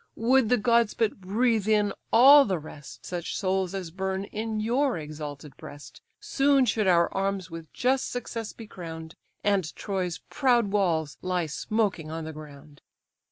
would the gods but breathe in all the rest Such souls as burn in your exalted breast, Soon should our arms with just success be crown'd, And Troy's proud walls lie smoking on the ground."